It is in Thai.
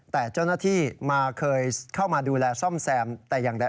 แต่เจ้าหน้าที่มาเคยเข้ามาดูแลซ่อมแซมแต่อย่างใด